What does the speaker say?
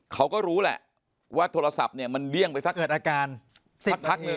เขาก็รู้แหละว่าโทรศัพท์มันเดี้ยงไปสัก๑๐นาที